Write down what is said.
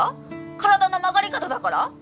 体の曲がり角だから？